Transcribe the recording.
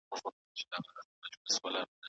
ټولنپوهنه د انساني ټولني پر پوهيدلو تمرکز کوي.